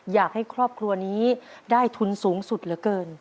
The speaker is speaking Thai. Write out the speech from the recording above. อยากให้ครอบครัวนี้ได้ทุนสูงสุดเหลือเกิน